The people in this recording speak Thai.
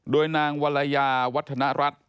โดยนางวรยาวัฒนรัฐ